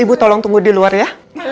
ibu tolong tunggu di luar ya